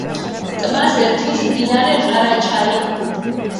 ტბას ერთვის მდინარე ყარაჩაი.